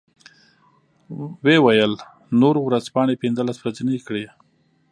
و یې ویل نورو ورځپاڼې پنځلس ورځنۍ کړې.